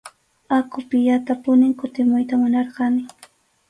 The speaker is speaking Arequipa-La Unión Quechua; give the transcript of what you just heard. Aqupiyatapunim kutimuyta munarqani.